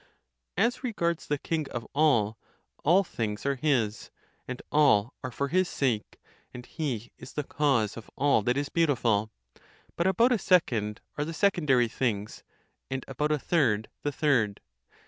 " As regards the king of all, all things are 815,5 and all are for his sake, and he is the cause of all that is beautiful. But about a second are the secondary things ; and about a third the third.